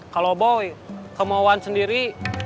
kalau boy kemauan sendiri